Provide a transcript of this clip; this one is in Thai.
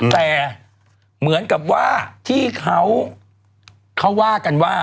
แต่เหมือนกับว่าที่เขาว่ากันว่า